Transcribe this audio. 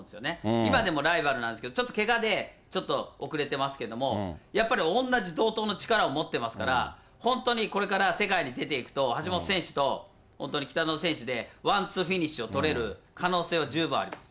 今でもライバルなんですけど、ちょっとけがでちょっと遅れてますけども、やっぱり同じ、同等の力を持ってますから、本当にこれから世界に出ていくと、橋本選手と本当に北園選手で、ワンツーフィニッシュをとれる可能性は十分あります。